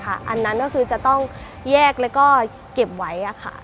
อันนั้นจะต้องแยกและเก็บไว้